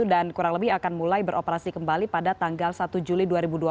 dan kurang lebih akan mulai beroperasi kembali pada tanggal satu juli dua ribu dua puluh